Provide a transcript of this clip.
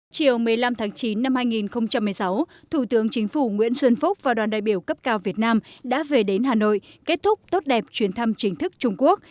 chiều một mươi năm tháng chín năm hai nghìn một mươi sáu thủ tướng chính phủ nguyễn xuân phúc và đoàn đại biểu cấp cao việt nam đã về đến hà nội kết thúc tốt đẹp chuyến thăm chính thức trung quốc